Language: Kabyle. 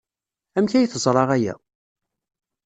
Amek ay teẓra aya?